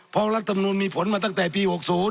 เพราะรัฐมนุนมีผลมาตั้งแต่ปี๖๐